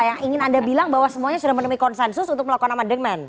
yang ingin anda bilang bahwa semuanya sudah menemui konsensus untuk melakukan amandemen